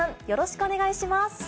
よろしくお願いします。